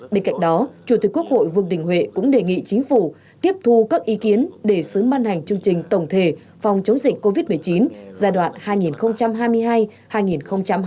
bên cạnh đó chủ tịch quốc hội vương đình huệ cũng đề nghị chính phủ tiếp thu các ý kiến để sớm ban hành chương trình tổng thể phòng chống dịch covid một mươi chín giai đoạn hai nghìn hai mươi hai hai nghìn hai mươi năm